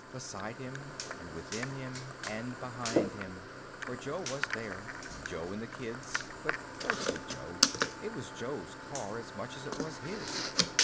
Beside him and within him and behind him. For Jo was there. Jo and the kids, but mostly Jo. It was Jo's car as much as it was his.